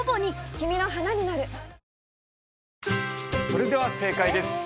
それでは正解です